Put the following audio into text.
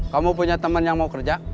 kamu punya teman yang mau kerja